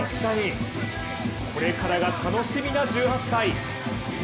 これからが楽しみな１８歳。